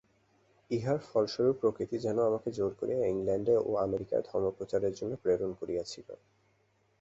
ইহার ফলস্বরূপ প্রকৃতি যেন আমাকে জোর করিয়া ইংলণ্ডে ও আমেরিকায় ধর্মপ্রচারের জন্য প্রেরণ করিয়াছিল।